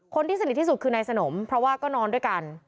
คนที่สนิทที่สุดคือนายสนมเพราะว่าก็นอนด้วยกัน